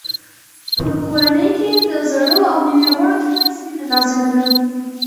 په کورنۍ کې د زړو او نویو غړو ترمنځ مینه لازمه ده.